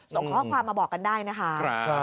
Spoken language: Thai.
ส่งข้อความมาบอกกันได้นะคะ